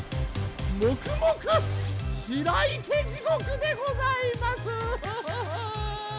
もくもく白池地獄でございます！